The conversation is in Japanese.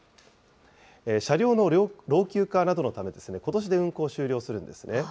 車両の老朽化などのため、ことしで運行を終了するんですね。